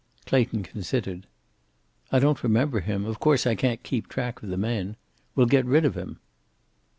Clayton considered. "I don't remember him. Of course, I can't keep track of the men. We'll get rid of him."